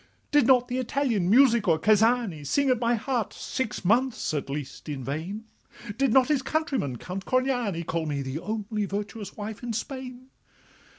'Did not the Italian Musico Cazzani Sing at my heart six months at least in vain? Did not his countryman, Count Corniani, Call me the only virtuous wife in Spain?